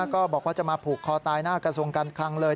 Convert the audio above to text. ก็บอกว่าจะมาผูกคอตายหน้ากระทรวงการคลังเลย